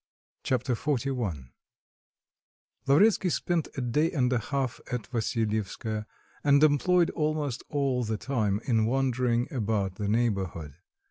Chapter XLI Lavretsky spent a day and a half at Vassilyevskoe, and employed almost all the time in wandering about the neighbourhood.